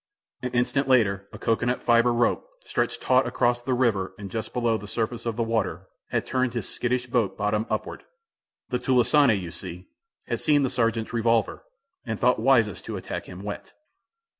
An instant later a cocoanut fibre rope, stretched taut across the river and just below the surface of the water, had turned his skittish boat bottom upward. The "tulisane," you see, had seen the sergeant's revolver, and thought wisest to attack him wet.